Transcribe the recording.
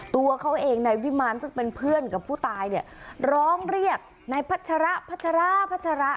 ตัวเขาเองนายวิมารซึ่งเป็นเพื่อนกับผู้ตายเนี่ยร้องเรียกนายพัชระพัชราพัชระ